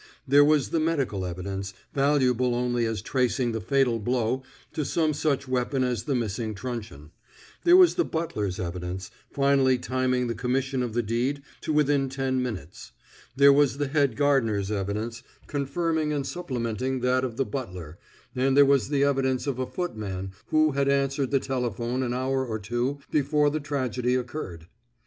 There was the medical evidence, valuable only as tracing the fatal blow to some such weapon as the missing truncheon; there was the butler's evidence, finally timing the commission of the deed to within ten minutes; there was the head gardener's evidence, confirming and supplementing that of the butler; and there was the evidence of a footman who had answered the telephone an hour or two before the tragedy occurred.